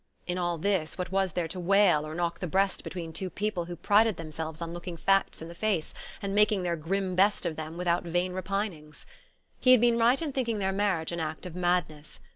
In all this, what was there to wail or knock the breast between two people who prided themselves on looking facts in the face, and making their grim best of them, without vain repinings? He had been right in thinking their marriage an act of madness.